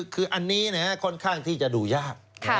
คืออันนี้ค่อนข้างที่จะดูยาก